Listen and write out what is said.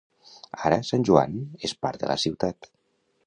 Ara, Sant Joan és part de la ciutat.